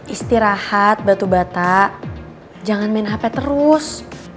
istirahat batu batak jangan main hp terus